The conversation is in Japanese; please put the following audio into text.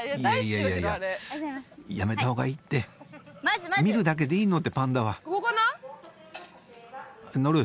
いやいややめた方がいいって見るだけでいいんだってパンダは乗る？